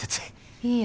いいよ。